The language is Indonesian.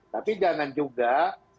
tapi jangan juga dijadikan sebagai pengawasan